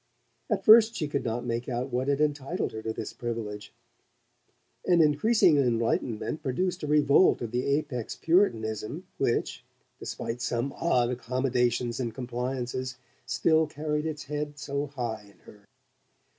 At first she could not make out what had entitled her to this privilege, and increasing enlightenment produced a revolt of the Apex puritanism which, despite some odd accommodations and compliances, still carried its head so high in her.